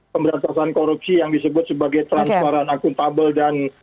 pemberantasan korupsi yang disebut sebagai transparan akuntabel dan